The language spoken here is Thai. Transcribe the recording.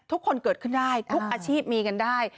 ทุกคนเกิดขึ้นได้ทุกอาชีพมีกันได้